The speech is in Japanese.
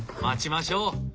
待ちましょう！